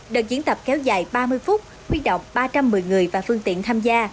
đợt diễn tập kéo dài ba mươi phút huy động ba trăm một mươi người và phương tiện tham gia